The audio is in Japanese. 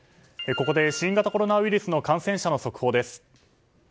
ここで新型コロナウイルスの感染者の速報です。